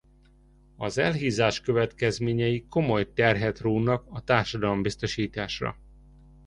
Az elhízás következményei komoly terhet rónak a társadalombiztosításra.